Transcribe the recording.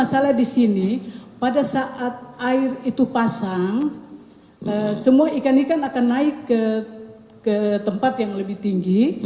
jadi sungai di sini pada saat air itu pasang semua ikan ikan akan naik ke tempat yang lebih tinggi